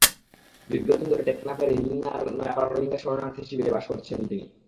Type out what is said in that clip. দীর্ঘদিন ধরে টেকনাফের হ্নীলার নয়াপাড়া রোহিঙ্গা শরণার্থী শিবিরে বাস করছেন তিনি।